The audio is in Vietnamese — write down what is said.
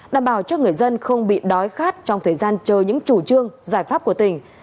đảm bảo cho người dân không bị đói khát trong thời gian chờ những chủ trương giải pháp của tỉnh